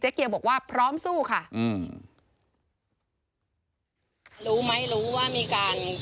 เจ๊เกียวบอกว่าพร้อมสู้ค่ะ